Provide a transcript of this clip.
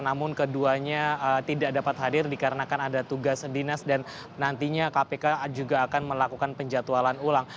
namun keduanya tidak dapat hadir dikarenakan ada tugas dinas dan nantinya kpk juga akan melakukan penjatualan ulang